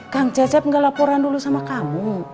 kang cecep gak laporan dulu sama kamu